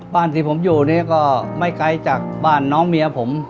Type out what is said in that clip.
ที่ผมอยู่นี่ก็ไม่ไกลจากบ้านน้องเมียผม